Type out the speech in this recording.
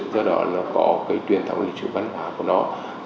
do đó nó có truyền thống lịch sử văn hóa của nó